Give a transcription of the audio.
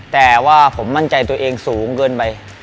แต่ว่าผมมั่นใจตัวเองสูงเกินไป